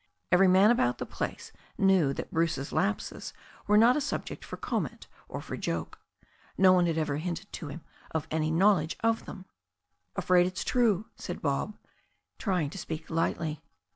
Every man about the place knew that Bruce's lapses were not a subject for comment or for joke. No one had ever hinted to him of any knowledge of them, "Afraid it's true," said Bob, trying to speak lightly.